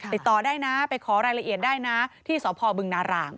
ติดต่อได้นะไปขอรายละเอียดได้นะที่สพบึงนาราง